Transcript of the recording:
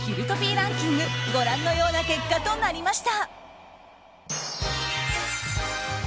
ランキングご覧のような結果となりました。